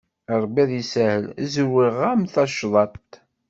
Ṛebbi ad isahel, zewreɣ-am tacḍaṭ.